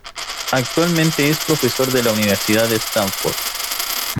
Actualmente es profesor de la Universidad de Stanford.